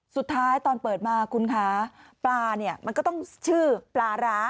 สุดท้ายตอนเปิดมาคุณคะปลามันก็ต้องชื่อปลาร้า